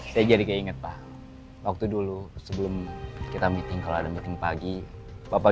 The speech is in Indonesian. saya jadi kayak inget pak waktu dulu sebelum kita meeting kalau ada meeting pagi bapak